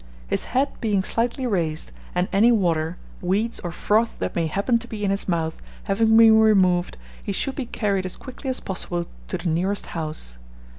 His head being slightly raised, and any water, weeds, or froth that may happen to be in his mouth, having been removed, he should be carried as quickly as possible to the nearest house.